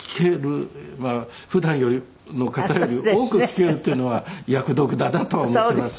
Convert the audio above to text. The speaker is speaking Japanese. まあ普段の方より多く聴けるっていうのは役得だなとは思っています。